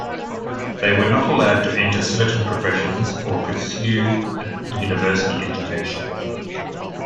They were not allowed to enter certain professions or to pursue a university education.